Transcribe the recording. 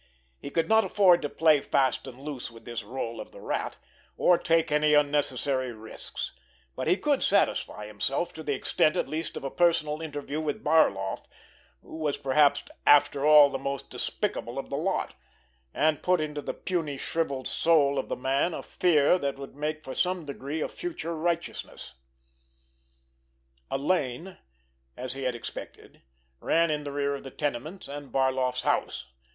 He could not afford to play fast and loose with this rôle of the Rat, or take any unnecessary risks, but he could satisfy himself to the extent, at least, of a personal interview with Barloff, who was perhaps after all the most despicable of the lot, and put into the puny, shrivelled soul of the man a fear that would make for some degree of future righteousness! A lane, as he had expected, ran in the rear of the tenements and Barloff's house.